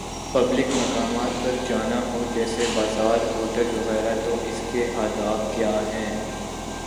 Public مقامات پر جانا ہو، جیسے بازار" ہوٹل وغیرہ تو اس کے آداب کیا ہیں۔